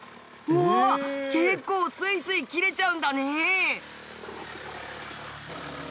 うわ結構スイスイ切れちゃうんだね。